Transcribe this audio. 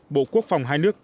bộ quốc phòng hai nước